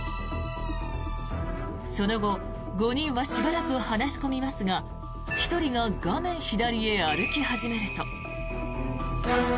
その後５人はしばらく話し込みますが１人が画面左へ歩き始めると。